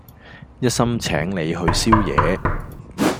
一心請你去宵夜